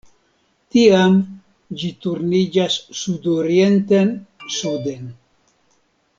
Tiam ĝi turniĝas sudorienten-suden.